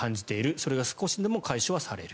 それが少しでも解消はされる。